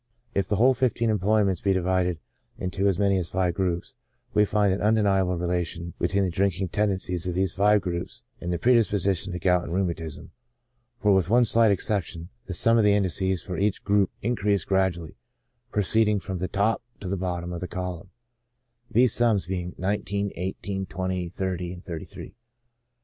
If the whole fifteen employments be divided into as many as five groups, we find an undeniable relation between the drinking tendencies of these five groups and the predisposition to gout and rheumatism, for with one slight exception, the sums of the indices for each group increase gradually, proceeding from the top to the bottom of the column ; these sums being 19, 18, 20, 30, AS PREDISPOSING TO DISEASE. ^73 33.